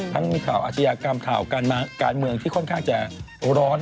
ข่าวอาชญากรรมข่าวการเมืองที่ค่อนข้างจะร้อน